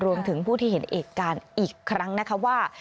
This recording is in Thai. รวมถึงผู้ที่เห็นเหตุการณ์อีกครั้งนะคะว่า